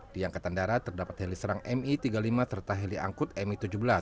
di angkatan darat terdapat heli serang mi tiga puluh lima serta heli angkut mi tujuh belas